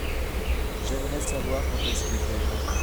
J’aimerais savoir quand est-ce qu’il pleuvra.